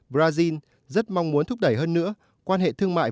brazil rất mong muốn thúc đẩy hơn nữa quan hệ thương mại